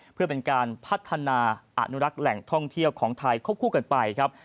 เพื่อเป็นการพัฒนาอนุรักษ์แหล่งท่องเที่ยวของไทยควบคู่กันไปครับ